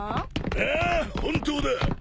ああ本当だ。